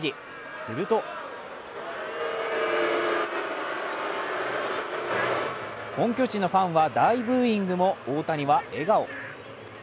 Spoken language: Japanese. すると本拠地のファンは大ブーイングも大谷は笑顔。